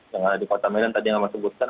yang ada di kota medan tadi yang mas sebutkan